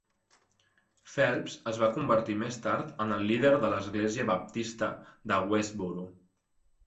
Phelps es va convertir més tard en el líder de l'església baptista de Westboro.